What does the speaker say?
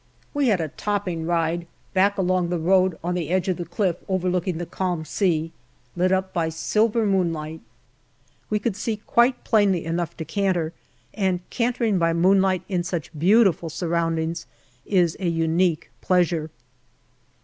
We had a topping ride back along the road on the edge of the cliff overlooking the calm sea, lit up by silver moonlight. We could see 142 GALLIPOLI DIARY quite plainly enough to canter, and cantering by moonlight in such beautiful surroundings is a unique pleasure.